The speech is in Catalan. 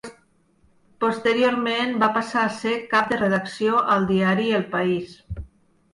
Posteriorment va passar a ser Cap de Redacció al Diari El País.